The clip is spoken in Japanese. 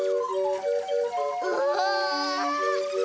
うわ。